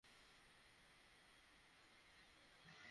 তাজা পাউডার উপভোগ করো।